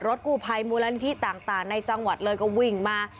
กู้ภัยมูลนิธิต่างในจังหวัดเลยก็วิ่งมา